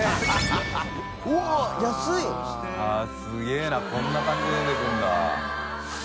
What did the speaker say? あっすげぇなこんな感じで出てくるんだ。